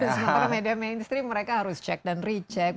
sementara media mainstream mereka harus cek dan recheck